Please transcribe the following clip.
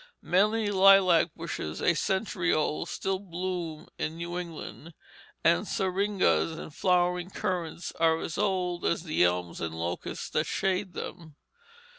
Many lilac bushes a century old still bloom in New England, and syringas and flowering currants are as old as the elms and locusts that shade them.